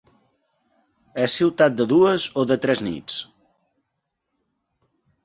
És ciutat de dues o de tres nits?